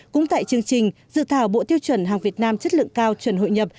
cũng tại chương trình dự thảo bộ tiêu chuẩn hàng việt nam chất lượng cao chuẩn hội nhập